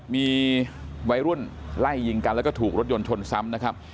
มีวัยรุ่นไล่ยิงกันแล้วก็ถูกรถยนต์ชนซ้ำนะครับ